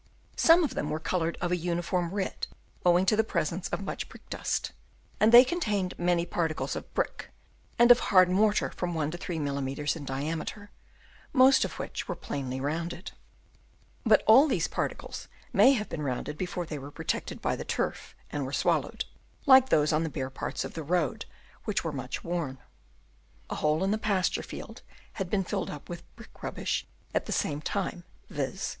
Some of them were coloured of a uniform red owing to the presence of much brick dust, and they contained many particles of brick and of hard mortar from 1 to 3 mm. in diameter, most of which were plainly rounded ; but all these particles may have been rounded before they were protected by the turf and were swallowed, like those on the bare parts of the road which were much worn. A hole in a pasture field had been filled up with brick rubbish at the same time, viz.